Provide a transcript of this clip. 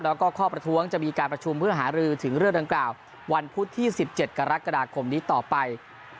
แล้วก็ข้อประท้วงจะมีการประชุมเพื่อหารือถึงเรื่องดังกล่าววันพุธที่๑๗กรกฎาคมนี้ต่อไป